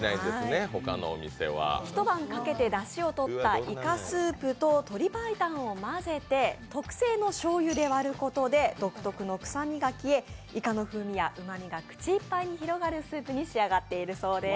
一晩かけてだしをとったイカスープと鶏白湯を混ぜて特製のしょうゆで割ることで独特の臭みが消えイカの風味やうまみが口いっぱいに広がるスープに仕上がっているそうです。